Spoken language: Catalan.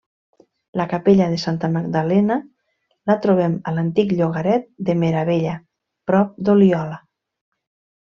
La capella de Santa Magdalena la trobem a l'antic llogaret de Meravella, prop d'Oliola.